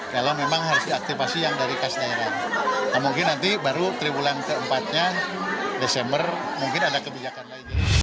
kalau memang harus diaktifasi yang dari kas daerah nah mungkin nanti baru tribulan keempatnya desember mungkin ada kebijakan lain